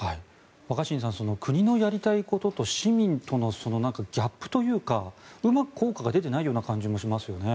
若新さん国のやりたいことと市民とのギャップというかうまく効果が出ていないような感じもしますよね。